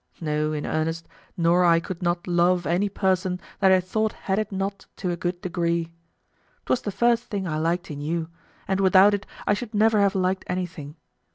No, in earnest, nor I could not love any person that I thought had it not to a good degree. 'Twas the first thing I liked in you, and without it I should never have liked anything.